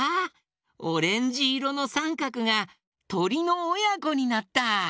オレンジいろのさんかくがとりのおやこになった！